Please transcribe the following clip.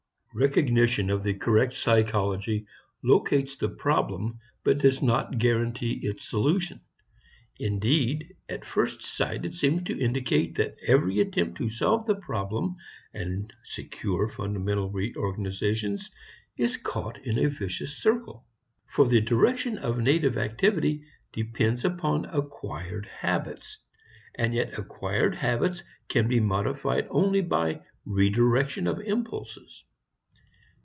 Recognition of the correct psychology locates the problem but does not guarantee its solution. Indeed, at first sight it seems to indicate that every attempt to solve the problem and secure fundamental reorganizations is caught in a vicious circle. For the direction of native activity depends upon acquired habits, and yet acquired habits can be modified only by redirection of impulses.